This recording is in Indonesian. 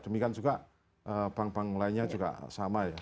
demikian juga bank bank lainnya juga sama ya